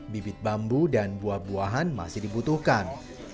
bibit bambu dan buah buahan masih dibutuhkan